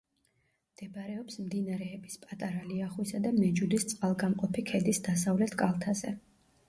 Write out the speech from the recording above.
მდებარეობს მდინარეების პატარა ლიახვისა და მეჯუდის წყალგამყოფი ქედის დასავლეთ კალთაზე.